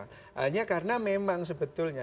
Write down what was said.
hanya karena memang sebetulnya